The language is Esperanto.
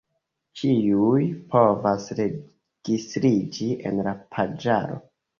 Ĉiuj povas registriĝi en la paĝaro.